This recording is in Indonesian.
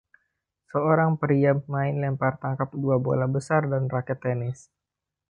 Seorang pria main lempar tangkap dua bola besar dan raket tenis.